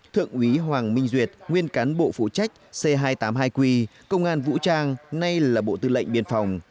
thượng úy hoàng minh duyệt nguyên cán bộ phụ trách c hai trăm tám mươi hai q công an vũ trang nay là bộ tư lệnh biên phòng